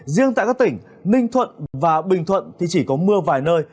riêng tại các tỉnh ninh thuận và bình thuận thì chỉ có mưa vài nơi